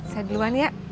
saya duluan ya